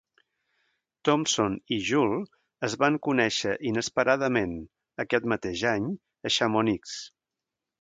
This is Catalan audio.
Thomson i Joule es van conèixer inesperadament aquest mateix any a Chamonix.